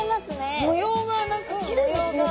模様が何かきれいですね。